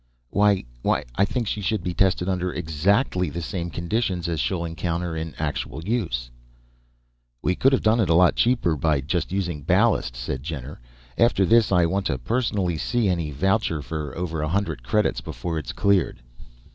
"Why ... why I think she should be tested under exactly the same conditions as she'll encounter in actual use." "We could have done it a lot cheaper by just using ballast," said Jenner. "After this, I want to personally see any voucher for over a hundred credits before it's cleared."